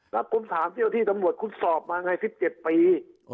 แล้วคุณถามที่ด้านบริษัทคุณสอบมายังไง๑๗ปี